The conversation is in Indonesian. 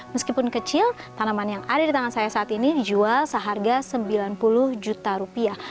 meskipun kecil tanaman yang ada di tangan saya saat ini dijual seharga sembilan puluh juta rupiah